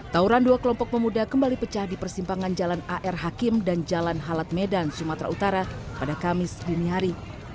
tauran dua kelompok pemuda kembali pecah di persimpangan jalan ar hakim dan jalan halat medan sumatera utara pada kamis dini hari